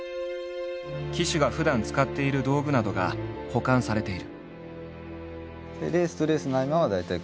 騎手がふだん使っている道具などが保管されている。